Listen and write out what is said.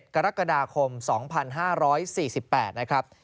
กรกฎาคม๒๕๔๘นะครับ